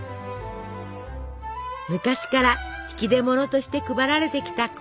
昔から引き出物として配られてきたコンフェッティ。